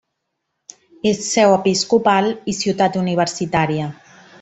És seu episcopal i ciutat universitària.